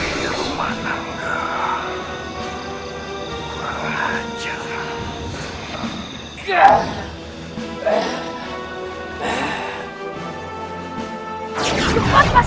cepat mas keragun